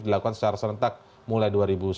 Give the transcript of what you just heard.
dilakukan secara serentak mulai dua ribu sembilan belas